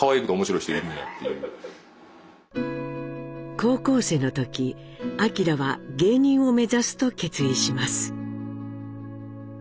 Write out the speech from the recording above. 高校生の時明は芸人を目指すと決意します。